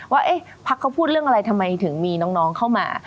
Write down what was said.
ว่าพักเขาพูดเรื่องอะไรทำไมถึงมีน้องเข้ามา